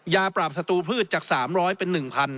ยาปราบสตูพืชจาก๓๐๐เป็น๑๐๐